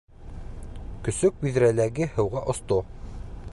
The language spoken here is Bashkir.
Көсөк биҙрәләге һыуға осто.